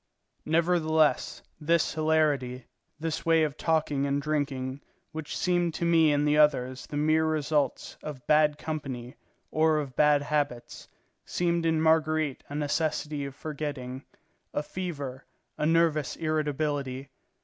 Nevertheless, this hilarity, this way of talking and drinking, which seemed to me in the others the mere results of bad company or of bad habits, seemed in Marguerite a necessity of forgetting, a fever, a nervous irritability.